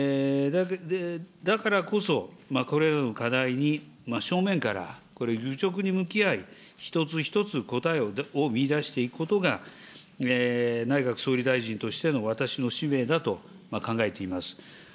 だからこそ、これらの課題に正面から愚直に向き合い、一つ一つ答えを見いだしていくことが、内閣総理大臣としての私の使命だと考えています。